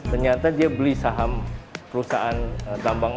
ternyata dia beli saham perusahaan tambang